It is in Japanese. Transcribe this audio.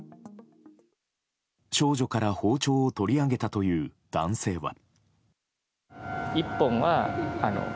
少女から包丁を取り上げたという男性は。